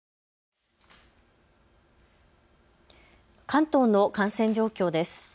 関東の感染状況です。